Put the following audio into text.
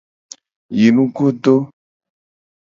Yi nugodo.